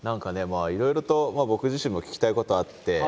まあいろいろと僕自身も聞きたいことあって。